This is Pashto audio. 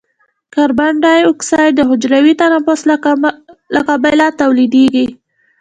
کاربن ډای اکساید د حجروي تنفس له کبله تولیدیږي.